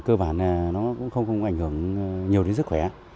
thì cơ bản nó cũng không có ảnh hưởng nhiều đến sức khỏe